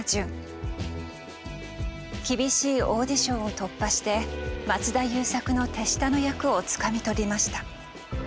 厳しいオーディションを突破して松田優作の手下の役をつかみ取りました。